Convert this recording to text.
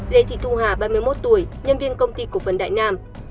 lê thị thu hà ba mươi một tuổi nhân viên công ty cục vấn đại nam